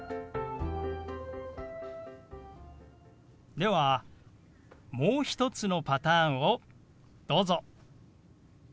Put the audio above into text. ではもう一つのパターンをどうぞ。